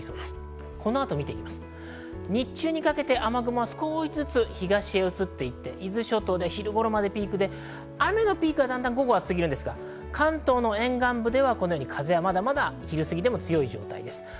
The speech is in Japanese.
日中にかけて雨雲が少しずつ東にうつっていって伊豆諸島で昼頃までピークで、雨のピークは午後はすぎますが、関東沿岸部では風はまだ昼過ぎでも強い状態です。